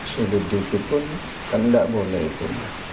sudut dikit pun kan nggak boleh itu